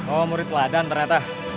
oh murid ladan ternyata